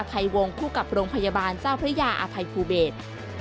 ภัยวงคู่กับโรงพยาบาลเจ้าพระยาอภัยภูเบศ